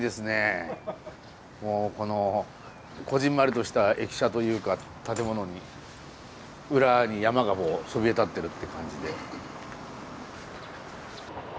このこぢんまりとした駅舎というか建物に裏に山がそびえ立ってるって感じで。